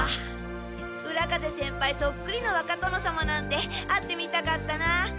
浦風先輩そっくりの若殿さまなんて会ってみたかったなあ。